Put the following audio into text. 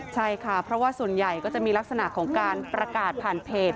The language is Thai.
ใช่ค่ะเพราะว่าส่วนใหญ่ก็จะมีลักษณะของการประกาศผ่านเพจ